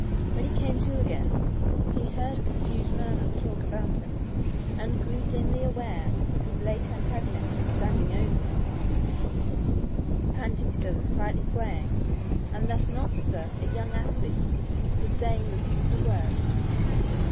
When he came to again, he heard a confused murmur of talk about him, and grew dimly aware that his late antagonist was standing over him, panting still and slightly swaying, and that an officer, a young athlete, was saying rebukeful words.